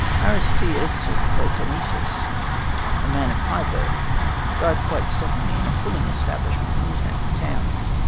Aristeas of Proconesus, a man of high birth, died quite suddenly in a fulling establishment in his native town.